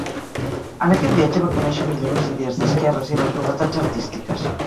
En aquest viatge va conèixer millor les idees d'esquerres i les novetats artístiques.